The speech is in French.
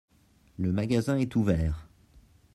Le magasin est ouvert.